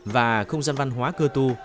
và không gian văn hóa cơ tu